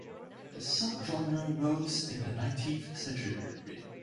The subgenre rose in the nineteenth century.